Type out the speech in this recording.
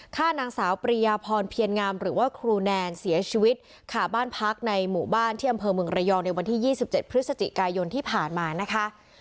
ฆ่านางสาวปริยาพรเพียรงามหรือว่าครูแนนเสียชีวิตขาบ้านพักในหมู่บ้านที่อำเภอเมืองระยองในวันที่๒๗พฤศจิกายนที่ผ่านมานะคะ